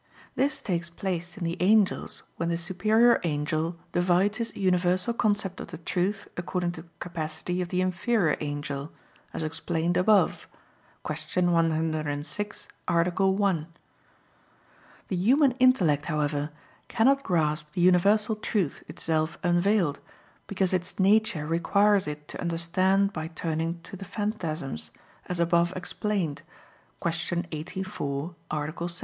This takes place in the angels when the superior angel divides his universal concept of the truth according to the capacity of the inferior angel, as explained above (Q. 106, A. 1). The human intellect, however, cannot grasp the universal truth itself unveiled; because its nature requires it to understand by turning to the phantasms, as above explained (Q. 84, A. 7).